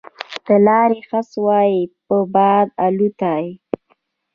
د لارې خس وای په باد الوتای